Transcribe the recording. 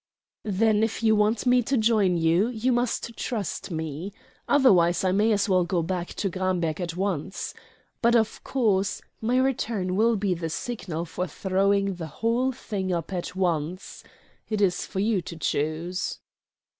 "Then if you want me to join you you must trust me; otherwise I may as well go back to Gramberg at once. But, of course, my return will be the signal for throwing the whole thing up at once. It is for you to choose."